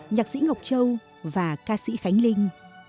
nhạc sĩ ngọc châu và ca sĩ khánh linh